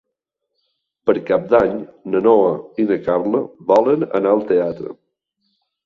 Per Cap d'Any na Noa i na Carla volen anar al teatre.